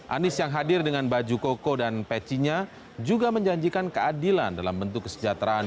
anies yang hadir dengan baju koko dan pecinya juga menjanjikan keadilan dalam bentuk kesejahteraan